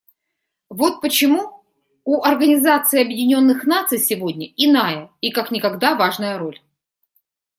Вот почему у Организации Объединенных Наций сегодня иная и как никогда важная роль.